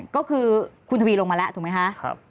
ก็คือคุณทวีลงมาแล้วถูกไหมคะ